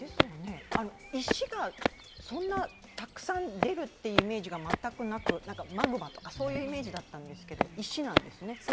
石がそんなたくさん出るってイメージが全くなくマグマとか、そういうイメージだったんですけど、石なんですね。